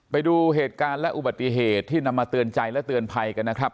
ไปดูเหตุการณ์และอุบัติเหตุที่นำมาเตือนใจและเตือนภัยกันนะครับ